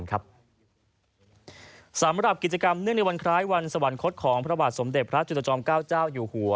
สำหรับกิจกรรมเนื่องในวันคล้ายวันสวรรคตของพระบาทสมเด็จพระจุลจอมเก้าเจ้าอยู่หัว